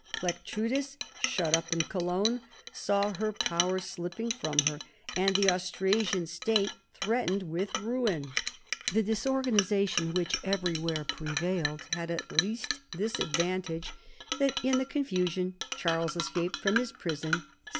Plectrudis, shut up in Cohjgne, saw her power slip ping from her and the Austrasian state threatened with ruin. The disorganization which everywhere prevailed had at least this advantage, that in the PIPPIN OF HERISTAL AND CHARLES MARTEL. 51 confusion Charles escaped from his prison (715).